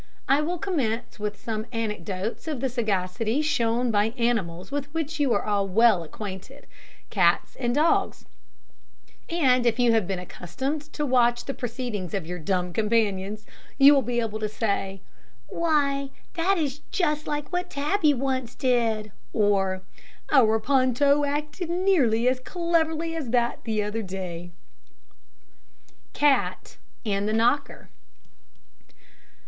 I will commence with some anecdotes of the sagacity shown by animals with which you are all well acquainted Cats and Dogs; and if you have been accustomed to watch the proceedings of your dumb companions you will be able to say, "Why, that is just like what Tabby once did;" or, "Our Ponto acted nearly as cleverly as that the other day." THE CAT AND THE KNOCKER.